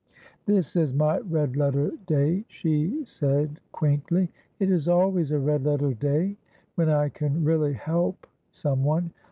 "This is my red letter day," she said, quaintly; "it is always a red letter day when I can really help someone.